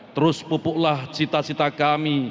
terus pupuklah cita cita kami